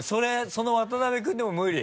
その渡辺君でも無理？